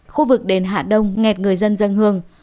khu vực đền hạ đông nghẹt người dân dân hương